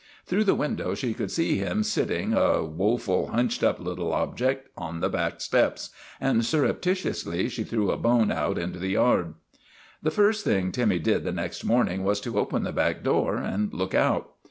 Through the window she could see him sitting, a woeful, hunched up little object, on the back steps, and surreptitiously she threw a bone out into the yard. The first thing Timmy did the next morning was to open the back door and look out.